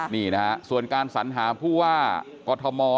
นี่นะฮะส่วนการสัญหาผู้ว่ากอทม